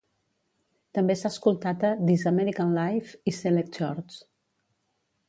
També s'ha escoltat a "This American Life" i "Selected Shorts".